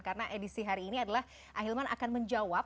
karena edisi hari ini adalah ahilman akan menjawab